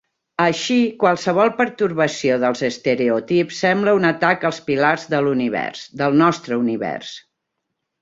Així, qualsevol pertorbació dels estereotips sembla un atac als pilars de l'univers, del nostre univers.